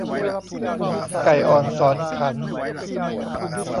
ไก่อ่อนสอนขัน